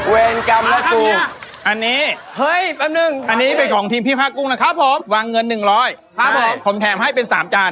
เวียนกำลังกุ้งอันนี้เป็นของทีมพี่พระกุ้งนะครับผมวางเงิน๑๐๐บาทผมแถมให้เป็น๓จาน